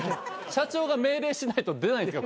社長が命令しないと出ないんすか？